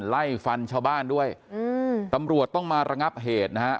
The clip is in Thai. ไล่ฟันชาวบ้านด้วยอืมตำรวจต้องมาระงับเหตุนะฮะ